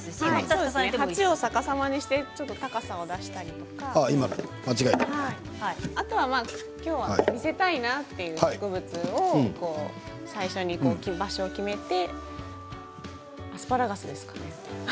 鉢を逆さまにして高さを出したりとかあとは今日は見せたいなという植物を最初に置き場所を決めてアスパラガスですかね。